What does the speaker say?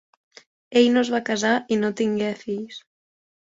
Ell no es va casar i no tingué fills.